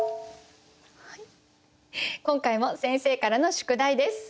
今回も先生からの宿題です。